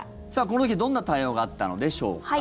この時、どんな対応があったのでしょうか。